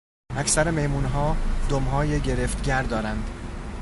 اکثر میمونها دمهای گرفتگر دارند.